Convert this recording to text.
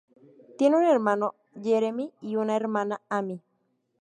Tiene un hermano, Jeremy, y una hermana, Amy.